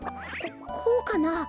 ここうかな。